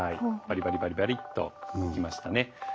バリバリバリバリッといきましたね。